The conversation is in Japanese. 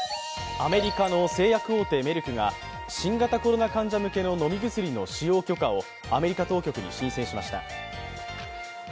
アメリカの製薬大手メルクが新型コロナ患者向けの飲み薬の使用許可をアメリカ当局に申請しました。